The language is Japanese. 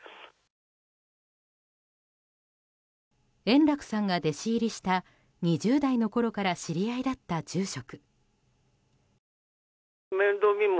円楽さんが弟子入りした２０代のころから知り合いだった住職。